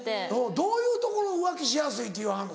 どういうところ浮気しやすいって言わはるの？